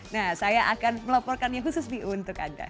nah saya akan melaporkannya khusus nih untuk anda